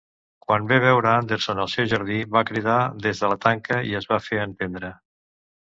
Quan ve veure Henderson al seu jardí, va cridar des de la tanca i es va fe entendre.